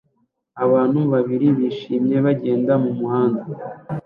Abantu babiri bishimye bagenda mumuhanda